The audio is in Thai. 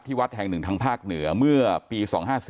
วัดแห่งหนึ่งทางภาคเหนือเมื่อปี๒๕๔